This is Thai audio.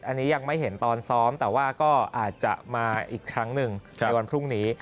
อันนี้ยังไม่เห็นตอนซ้อมแต่ว่าก็อาจจะมาอีกครั้งหนึ่งในวันพรุ่งนี้